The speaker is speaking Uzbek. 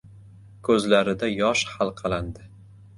Ko‘zlarida yosh halqalandi.